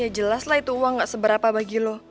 ya jelas lah itu uang nggak seberapa bagi lo